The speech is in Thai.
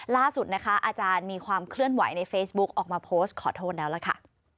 ล่าสุดนะคะอาจารย์มีความเคลื่อนไหวในเฟซบุ๊กออกมาโพสต์ขอโทษแล้วล่ะค่ะ